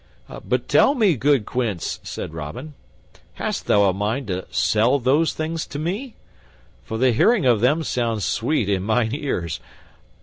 "But tell me, good Quince," said Robin, "hast thou a mind to sell those things to me? For the hearing of them sounds sweet in mine ears.